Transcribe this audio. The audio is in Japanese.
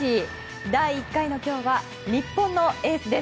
第１回の今日は日本のエースです。